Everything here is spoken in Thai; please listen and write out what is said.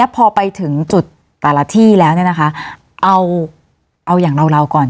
พอไปถึงจุดแต่ละที่เอายังเล่าก่อน